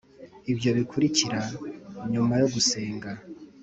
ibyo bikurikira nyuma yo gusenga.